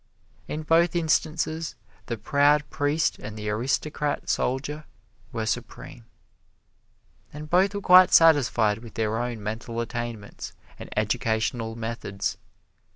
In both instances the proud priest and the aristocrat soldier were supreme. And both were quite satisfied with their own mental attainments and educational methods.